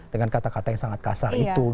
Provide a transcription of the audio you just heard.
dengan kata kata yang sangat kasar itu